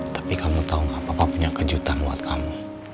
tapi kamu tau gak papa punya kejutan buat kamu